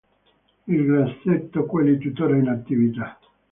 In grassetto quelli tuttora in attività.